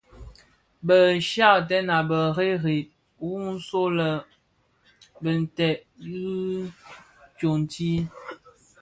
Bi nshyakten a bërëg bërëg wui nso lè bi bèň i tsoň tii.